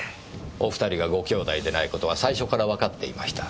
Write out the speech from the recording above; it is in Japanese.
お２人がご兄弟でない事は最初からわかっていました。